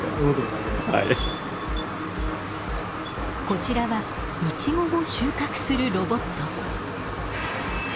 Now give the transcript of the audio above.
こちらはイチゴをしゅうかくするロボット。